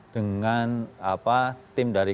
dengan tim dari